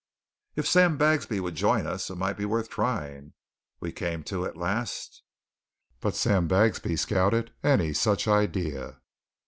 "If Sam Bagsby would join us, it might be worth trying," we came to at last. But Sam Bagsby scouted any such idea.